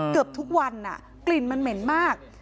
เกือบทุกวันกลิ่นมันเหม็นมาก